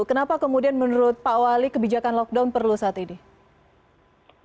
kenapa kemudian menurut pak wali kebijakan lockdown perlu saat ini